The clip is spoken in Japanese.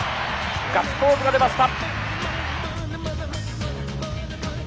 ガッツポーズが出ました。